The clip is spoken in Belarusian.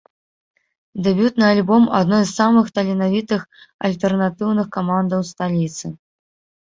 Дэбютны альбом адной з самых таленавітых альтэрнатыўных камандаў сталіцы.